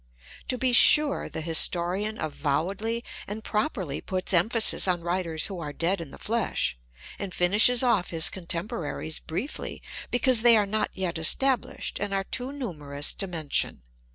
To be sure, the historian avowedly and properly puts emphasis on writers who are dead in the flesh, and finishes off his contemporaries briefly because they are not yet established and are too numerous . to mention.